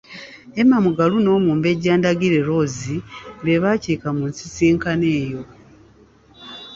Emma Mugalu n'Omumbejja Ndagire Rose be baakiika mu nsisinkano eyo.